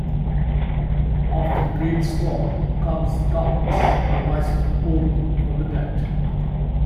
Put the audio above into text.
After the great storm comes darkness and the voices of mourning for the dead.